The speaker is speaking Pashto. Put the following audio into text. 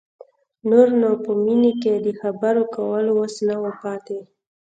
نور نو په مينې کې د خبرو کولو وس نه و پاتې.